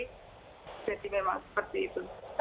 jadi memang seperti itu